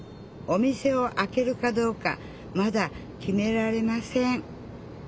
お店をあけるかどうかまだ決められません。